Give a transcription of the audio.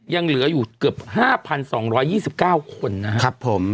ยังเหลืออยู่เกือบห้าพันสองร้อยยี่สิบเก้าคนนะฮะครับผม